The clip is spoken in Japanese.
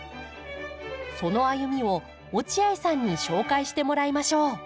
その歩みを落合さんに紹介してもらいましょう。